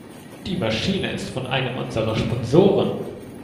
Die Maschine ist von einem unserer Sponsoren.